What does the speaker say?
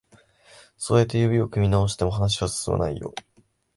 そうやって指を組み直しても、話は進まないよ。